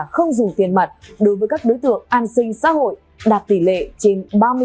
không dùng tiền mặt đối với các đối tượng an sinh xã hội đạt tỷ lệ trên ba mươi